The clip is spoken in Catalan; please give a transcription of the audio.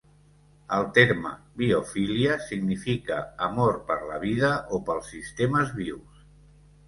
El terme "biofilia" significa "amor per la vida o pels sistemes vius".